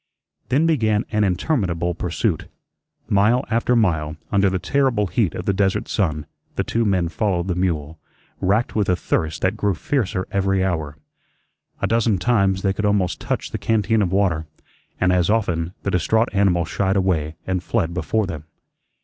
Then began an interminable pursuit. Mile after mile, under the terrible heat of the desert sun, the two men followed the mule, racked with a thirst that grew fiercer every hour. A dozen times they could almost touch the canteen of water, and as often the distraught animal shied away and fled before them.